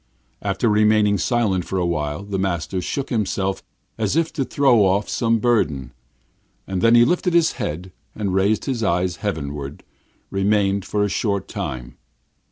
After remaining silent for a while, the master shook himself as if to throw off some burden. Then he lifted his head, and raising his eyes heavenward, remained so for a short time.